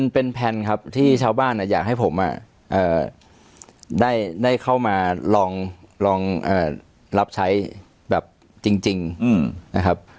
เป็นแพลนครับที่ชาวบ้านอยากให้ผมได้เข้ามาลองรับใช้แบบจริงนะครับ